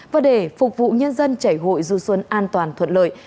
và để phục vụ nhân dân chảy hội du xuân an toàn thuận lợi